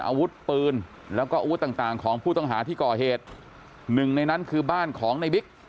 อาวุธปืนแล้วก็อาวุธต่างต่างของผู้ต้องหาที่ก่อเหตุหนึ่งในนั้นคือบ้านของในบิ๊ก